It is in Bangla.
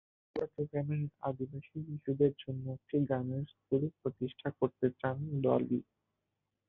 পার্বত্য চট্টগ্রামের আদিবাসী শিশুদের জন্য একটি গানের স্কুল প্রতিষ্ঠা করতে চান ডলি।